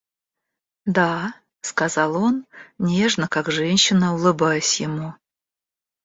Да, — сказал он, нежно, как женщина, улыбаясь ему.